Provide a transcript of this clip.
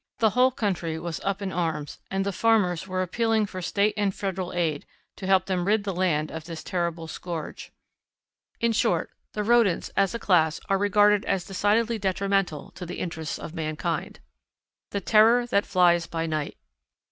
The whole country was up in arms and the farmers were appealing for State and Federal aid to help them rid the land of this terrible scourge. In short, the rodents, as a class, are regarded as decidedly detrimental to the interests of mankind. [Illustration: Screech Owl and Its Prey] _The Terror That Flies by Night.